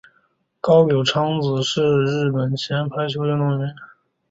高柳昌子是一名日本前排球运动员。